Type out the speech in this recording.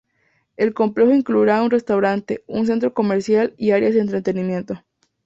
El complejo incluirá un restaurante, un centro comercial y áreas de entretenimiento.